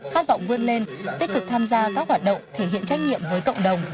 khát vọng vươn lên tích cực tham gia các hoạt động thể hiện trách nhiệm với cộng đồng